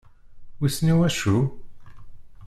Wissen i waccu?